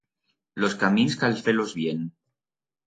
Los camins cal fer-los bien.